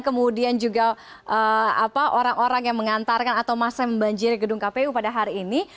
kemudian juga orang orang yang mengantarkan atau masa membanjiri gedung kpu pada hari ini